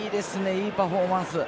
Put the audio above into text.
いいパフォーマンス。